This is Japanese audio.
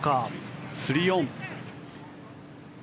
３オン。